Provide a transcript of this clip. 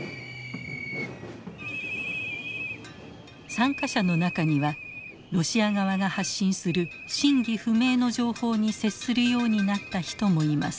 参加者の中にはロシア側が発信する真偽不明の情報に接するようになった人もいます。